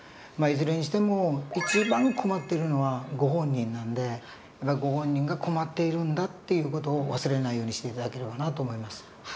まあいずれにしても一番困っているのはご本人なんでやっぱりご本人が困っているんだっていう事を忘れないようにして頂ければなと思います。